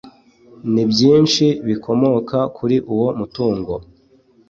nibyishi bikomoka kuri uwo mutungo .